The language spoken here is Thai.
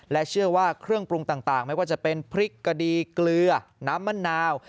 เชื่อว่าเครื่องปรุงต่างไม่ว่าจะเป็นพริกกะดีเกลือน้ำมะนาว